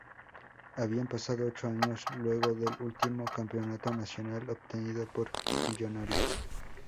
Habían pasado ocho años luego del último campeonato nacional obtenido por Millonarios.